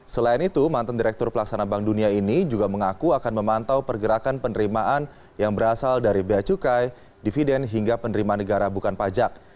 selain itu mantan direktur pelaksana bank dunia ini juga mengaku akan memantau pergerakan penerimaan yang berasal dari bea cukai dividen hingga penerimaan negara bukan pajak